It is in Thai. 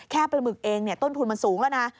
ปลาหมึกเองต้นทุนมันสูงแล้วนะ